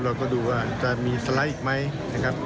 เราก็ดูว่าจะมีสไลด์อีกไหมนะครับ